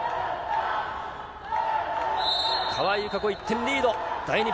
川井友香子、１点リード。